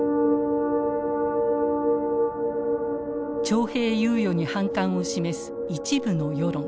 徴兵猶予に反感を示す一部の世論。